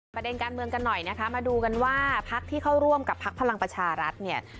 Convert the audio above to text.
ประเด็นการเมืองกันหน่อยนะคะมาดูกันว่าพักที่เข้าร่วมกับพักพลังประชารัฐเนี่ย